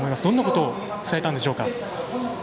どんなことを伝えたんでしょうか。